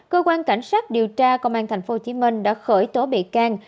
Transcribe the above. cơ quan cảnh sát điều tra công an tp hcm đã khởi tố bị can